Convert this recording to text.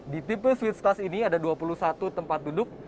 di tipe switch kelas ini ada dua puluh satu tempat duduk